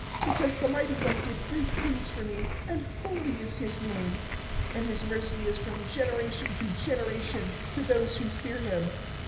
(49)Because the Mighty One did great things for me; and holy is his name. (50)And his mercy is from generation to generation, to those who fear him.